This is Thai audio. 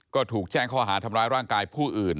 ก็ถูกแจ้งข้อหาทำร้ายร่างกายผู้อื่น